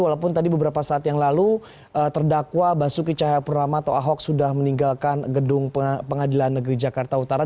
walaupun tadi beberapa saat yang lalu terdakwa basuki cahayapurnama atau ahok sudah meninggalkan gedung pengadilan negeri jakarta utara